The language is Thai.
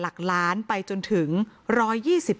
และการแสดงสมบัติของแคนดิเดตนายกนะครับ